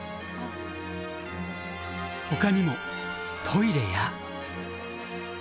ほかにもトイレや。